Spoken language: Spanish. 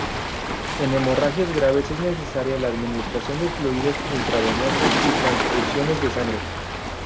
En hemorragias graves es necesaria la administración de fluidos intravenosos y transfusiones de sangre.